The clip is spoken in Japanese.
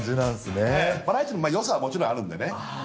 バラエティーのよさはもちろんあるんでね。